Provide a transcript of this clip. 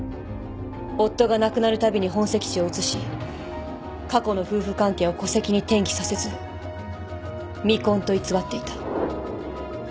夫が亡くなるたびに本籍地を移し過去の夫婦関係を戸籍に転記させず未婚と偽っていた。